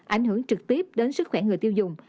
ảnh hưởng trực tiếp đến sức khỏe người tiêu dùng